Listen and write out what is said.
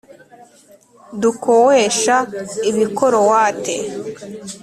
Dukoesha igikorowate .